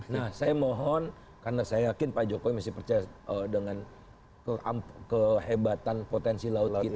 nah saya mohon karena saya yakin pak jokowi masih percaya dengan kehebatan potensi laut kita